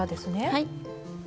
はい。